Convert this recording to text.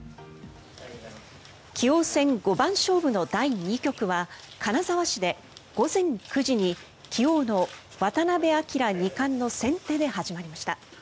棋王戦五番勝負の第２局は金沢市で午前９時に棋王の渡辺明二冠の先手で始まりました。